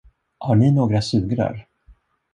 Har ni några sugrör?